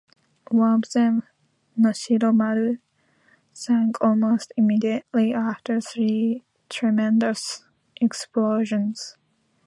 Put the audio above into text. One of them, "Noshiro Maru", sank almost immediately after three tremendous explosions.